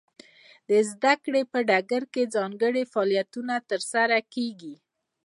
د زده کړې په ډګر کې ځانګړي فعالیتونه ترسره کیږي.